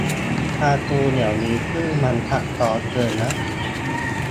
การ์ตูนเดี๋ยวนี้ชื่อมันซับซ้อนเกินนะ